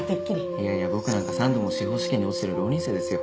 いやいや僕なんか３度も司法試験に落ちてる浪人生ですよ。